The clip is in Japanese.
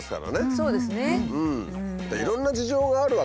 そうですね。